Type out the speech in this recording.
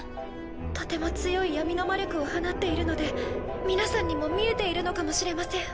とても強い闇の魔力を放っているので皆さんにも見えているのかもしれません。